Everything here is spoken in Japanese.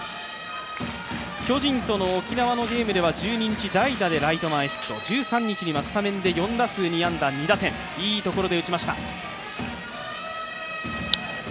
巨人との沖縄のゲームでは１２日、代打でヒット、１３日にはスタメンで４打数２安打２打点、いいところで打ちました。